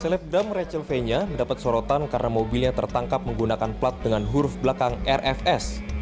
selebdam rachel fenya mendapat sorotan karena mobilnya tertangkap menggunakan plat dengan huruf belakang rfs